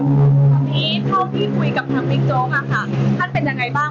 ตอนนี้เท่าที่คุยกับทางบิ๊กโจ๊กท่านเป็นยังไงบ้าง